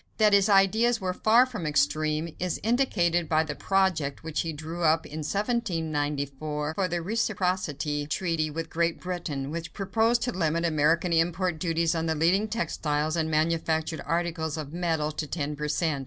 That his ideas were far from extreme is indicated by the project which he drew up in 1794 for a reciprocity treaty with Great Britain, which proposed to limit American import duties on the leading textiles and manufactured articles of metal to ten per cent.